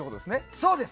そうです。